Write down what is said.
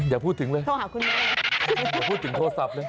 อย่าพูดถึงเลยอย่าพูดถึงโทรศัพท์เลย